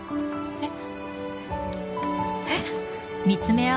えっ？